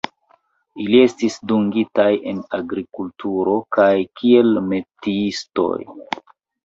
Ili estis dungitaj en agrikulturo kaj kiel metiistoj.